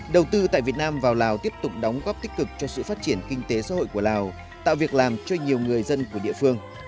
đầu tư tại việt nam vào lào tiếp tục đóng góp tích cực cho sự phát triển kinh tế xã hội của lào tạo việc làm cho nhiều người dân của địa phương